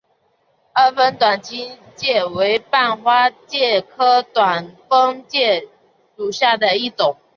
二分短蜂介为半花介科短蜂介属下的一个种。